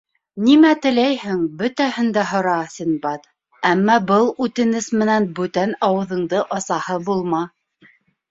— Нимә теләйһең, бөтәһен дә һора, Синдбад, әммә был үтенес менән бүтән ауыҙыңды асаһы булма.